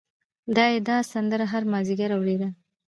دای دا سندره هر مازدیګر اورېده.